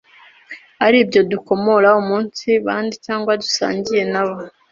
ari ibyo dukomora umunsi bandi cyangwa dusangiye n,abo.